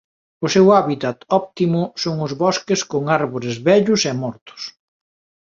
O seu hábitat óptimo son os bosques con árbores vellos e mortos.